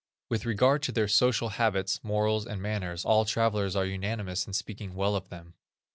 With regard to their social habits, morals, and manners, all travellers are unanimous in speaking well of them.